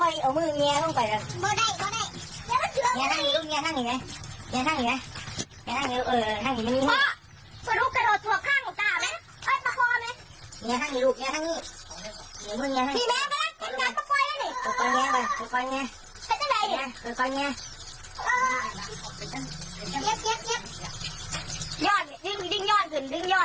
ยอดดิ้งอ่อนชินดิ้งยอด